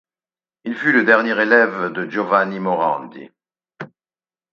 Il fut le dernier élève de Giovanni Morandi.